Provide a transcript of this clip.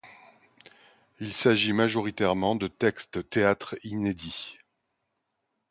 Il s'agit majoritairement de textes théâtre inédits.